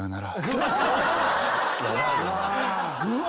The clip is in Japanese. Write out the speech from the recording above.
うわ！